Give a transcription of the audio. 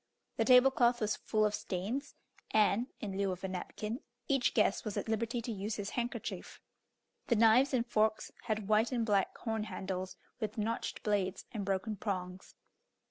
The table cloth was full of stains, and, in lieu of a napkin, each guest was at liberty to use his handkerchief. The knives and forks had white and black horn handles, with notched blades, and broken prongs.